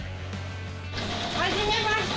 はじめまして。